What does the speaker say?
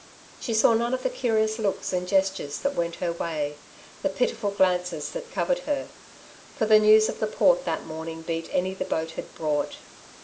She saw none of the curious looks and gestures that went her way, the pitiful glances that covered her. For the news of the Port that morning beat any the boat had brought.